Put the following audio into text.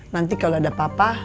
nanti kalau ada apa apa